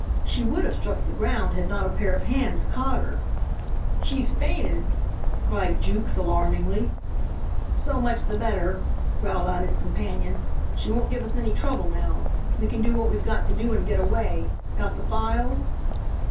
She would have struck the ground had not a pair of hands caught her. "She's fainted," cried Jukes, alarmedly. "So much the better," growled out his companion; "she won't give us any trouble now. We can do what we've got to do and get away. Got the files?"